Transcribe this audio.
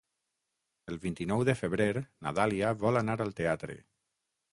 El vint-i-nou de febrer na Dàlia vol anar al teatre.